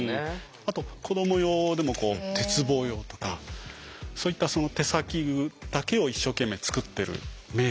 あと子ども用でも鉄棒用とかそういった手先だけを一生懸命つくってるメーカーもあるんですよ。